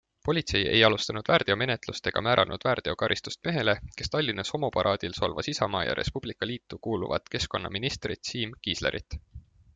Politsei ei alustanud väärteomenetlust ega määranud väärteokaristust mehele, kes Tallinnas homoparaadil solvas Isamaa ja Res Publica Liitu kuuluvat keskkonnaministrit Siim Kiislerit.